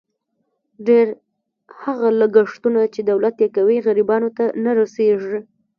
ډېر هغه لګښتونه، چې دولت یې کوي، غریبانو ته نه رسېږي.